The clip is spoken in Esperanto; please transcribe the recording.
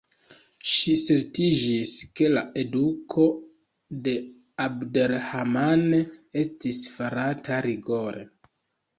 Ŝi certigis ke la eduko de Abd ar-Rahman estis farata rigore.